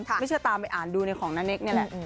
ไม่เชื่อตามไปอ่านดูในของนาเน็กนี่แหละ